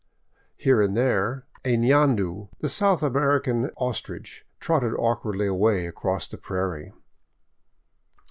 Here and there a fiandu, the South American ostrich, trotted awkwardly away across the prairie.